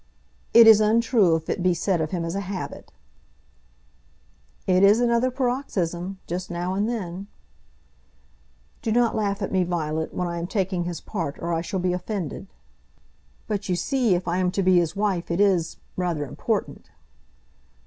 "It is untrue if it be said of him as a habit." "It is another paroxysm, just now and then." "Do not laugh at me, Violet, when I am taking his part, or I shall be offended." "But you see, if I am to be his wife, it is rather important."